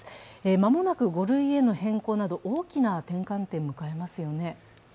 間もなく５類への変更など大きな転換点を迎えますよね。